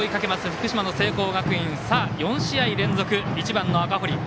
福島の聖光学院４試合連続、１番の赤堀。